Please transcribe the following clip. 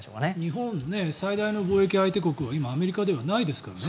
日本、最大の貿易相手国はアメリカじゃないですからね。